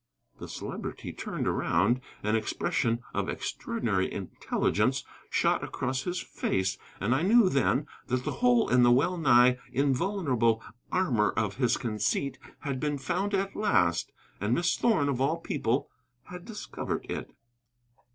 The Celebrity turned around: an expression of extraordinary intelligence shot across his face, and I knew then that the hole in the well nigh invulnerable armor of his conceit had been found at last. And Miss Thorn, of all people, had discovered it.